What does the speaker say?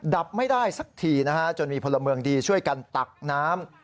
ดับไม่ได้สักทีนะฮะจนมีพลเมืองดีช่วยกันตักน้ำ